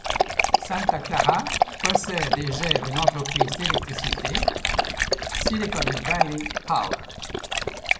Santa Clara possède et gère une entreprise d'électricité, Silicon Valley Power.